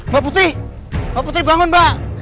mbak putri mbak putri bangun mbak